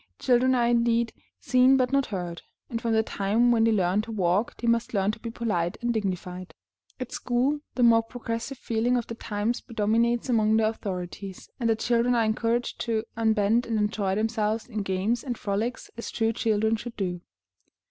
Children are indeed "seen but not heard," and from the time when they learn to walk they must learn to be polite and dignified. At school, the more progressive feeling of the times predominates among the authorities, and the children are encouraged to unbend and enjoy themselves in games and frolics, as true children should do.